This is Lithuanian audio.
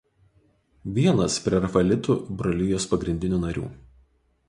Vienas „Prerafaelitų brolijos“ pagrindinių narių.